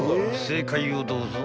正解をどうぞ］